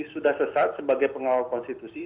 sudah sesat sebagai pengawal konstitusi